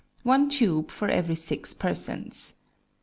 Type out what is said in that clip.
One tube for every six persons.